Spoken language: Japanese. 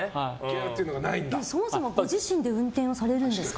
そもそもご自身で運転されるんですか？